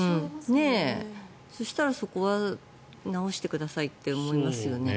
そしたらそこは直してくださいって思いますよね。